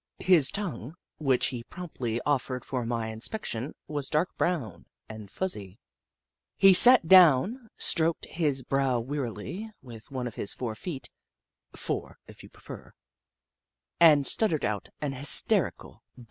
His tongue, which he promptly offered for my inspection, was dark brown and fuzzy. He sat down, stroked his brow wearily with one of his four feet (fore, if you prefer), and stuttered out an hysterical bleat.